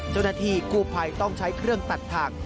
เจ้าหน้าที่กู้ภัยต้องใช้เครื่องตัดทาง